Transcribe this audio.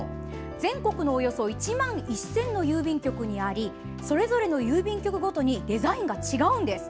全国のおよそ１万１０００の郵便局にありそれぞれの郵便局ごとにデザインが違うんです。